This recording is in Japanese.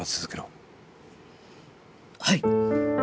はい！